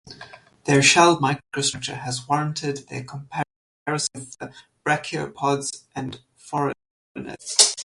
Their shell microstructure has warranted their comparison with the brachiopods and phoronids.